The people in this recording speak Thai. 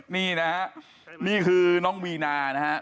นี่นะครับนี่คือน้องวีนานะครับ